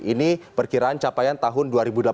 ini perkiraan capaian tahun dua ribu delapan belas